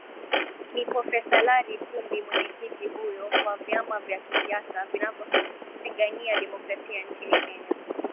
ni pofesa lari kumbi mwenyekiti huyo wa vyama vya kisiasa vinavyopigania demokrasia nchini kenya